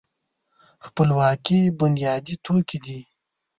خپلواکي بنیادي توکی دی.